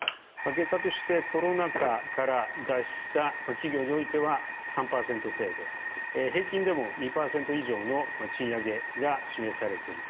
結果としてコロナ禍から脱した企業においては３％程度、平均でも２％以上の賃上げが示されている、